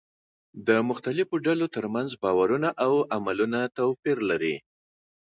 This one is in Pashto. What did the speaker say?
د مختلفو ډلو ترمنځ باورونه او عملونه توپير لري.